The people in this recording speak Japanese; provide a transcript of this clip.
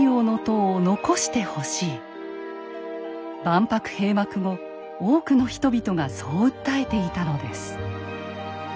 万博閉幕後多くの人々がそう訴えていたのです。